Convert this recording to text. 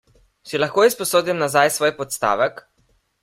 Si lahko izposodim nazaj svoj podstavek?